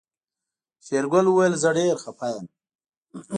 شېرګل وويل زه ډېر خپه يم.